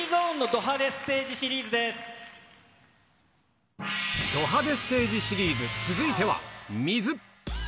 ド派手ステージシリーズ、続いては、水。